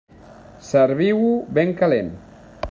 Serviu-ho ben calent.